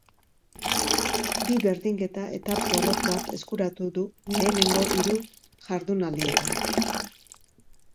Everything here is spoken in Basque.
Bi berdinketa eta porrot bat eskuratu du lehenengo hiru jardunaldietan.